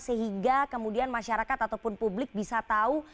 sehingga kemudian masyarakat ataupun publik bisa tahu